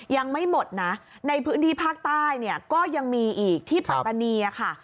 ยังไม่หมดนะในพื้นที่ภาคใต้ก็ยังมีอีกที่ปรับประเนียค่ะ